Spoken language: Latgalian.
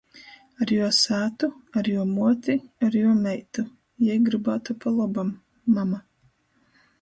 Ar juo sātu, ar juo muoti, ar juo meitu. Jei grybātu pa lobam. Mama.